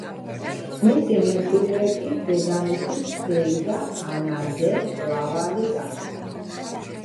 მისი მემკვიდრე კი დედამისის დეიდა, ანა დე ლავალი გახდა.